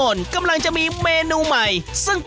ขอบคุณมากด้วยค่ะพี่ทุกท่านเองนะคะขอบคุณมากด้วยค่ะพี่ทุกท่านเองนะคะ